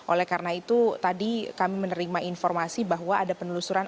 oleh karena itu tadi kami menerima informasi bahwa ada penelusuran